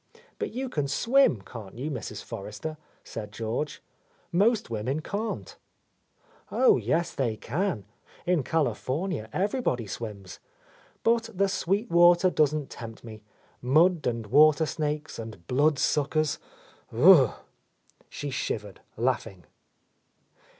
"But you can swim, can't you, Mrs. Forrester," said George. "Most women can't." "Oh yes, they can I In California everybody swims. But the Sweet Water doesn't tempt me, — mud and water snakes and blood suckers — Ugh!" she shivered, laughing.